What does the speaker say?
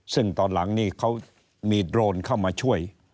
ซึ่งตอนหลังนี่เขามีโดรนเข้ามาช่วย